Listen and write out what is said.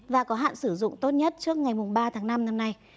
và có hạn sử dụng tốt nhất trước ngày ba tháng năm năm nay